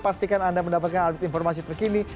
pastikan anda mendapatkan update informasi terkini